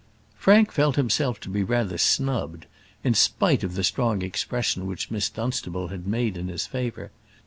Frank felt himself to be rather snubbed, in spite of the strong expression which Miss Dunstable had made in his favour.